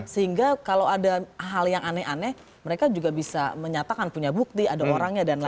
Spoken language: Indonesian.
sehingga kalau ada hal yang aneh aneh mereka juga bisa menyatakan punya bukti ada orangnya dan lain lain